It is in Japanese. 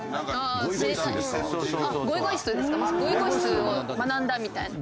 ゴイゴイスーを学んだみたいな？